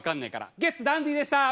ゲッツダンディでした！